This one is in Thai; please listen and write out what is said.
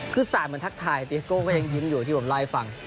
คือสาดมันทักทายตีเฮ็กโก้ก็ยังยิ้มอยู่ที่ผมไล่ฝั่ง